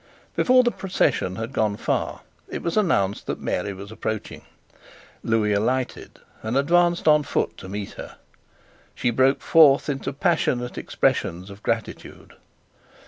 Before the procession had gone far it was announced that Mary was approaching. Lewis alighted and advanced on foot to meet her. She broke forth into passionate expressions of gratitude.